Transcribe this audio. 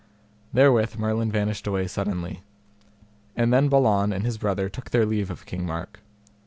Therewith Merlin vanished away suddenly. And then Balan and his brother took their leave of King Mark.